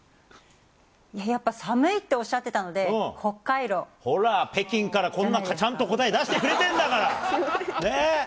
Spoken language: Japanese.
やっぱ寒いっておっしゃってたので、ほら、北京からこんなちゃんと答え出してくれてんだから。